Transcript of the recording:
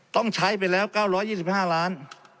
ต้องใช้ไปแล้วเงินแค่เก้าร้อยยี่สิบห้าล้าน